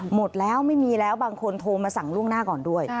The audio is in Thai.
หมดแล้วไม่มีแล้วบางคนโทรมาสั่งล่วงหน้าก่อนด้วย